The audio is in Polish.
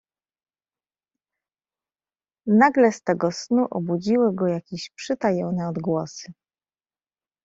"Nagle z tego snu obudziły go jakieś przytajone odgłosy."